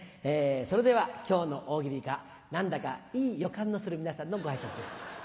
それでは今日の大喜利が何だかイイヨカンのする皆さんのご挨拶です。